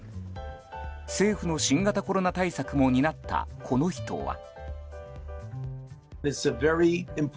政府の新型コロナ対策も担ったこの人は。